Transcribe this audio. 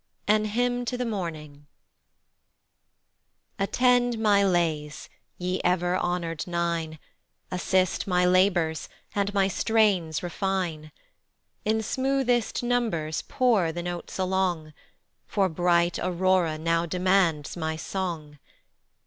An HYMN to the MORNING ATTEND my lays, ye ever honour'd nine, Assist my labours, and my strains refine; In smoothest numbers pour the notes along, For bright Aurora now demands my song.